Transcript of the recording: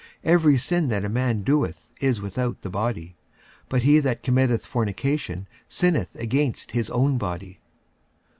Every sin that a man doeth is without the body; but he that committeth fornication sinneth against his own body.